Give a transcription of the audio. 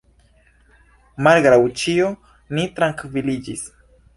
Malgraŭ ĉio, ni trankviliĝis.